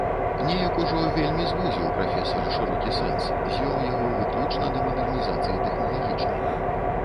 Неяк ужо вельмі звузіў прафесар шырокі сэнс, звёў яго выключна да мадэрнізацыі тэхналагічнай.